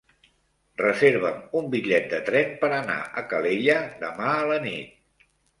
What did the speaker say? Reserva'm un bitllet de tren per anar a Calella demà a la nit.